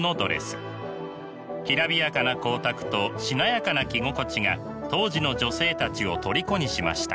きらびやかな光沢としなやかな着心地が当時の女性たちをとりこにしました。